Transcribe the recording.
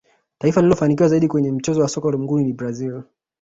taifa lililofanikiwa zaidi kwenye mchezo wa soka ulimwenguni ni brazil